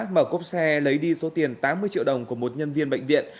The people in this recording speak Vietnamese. mở cốp xe lấy đi số tiền tám mươi triệu đồng của một nhân viên bệnh viện